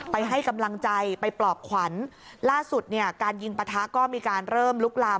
ไปให้กำลังใจไปปลอบขวัญล่าสุดเนี่ยการยิงปะทะก็มีการเริ่มลุกลาม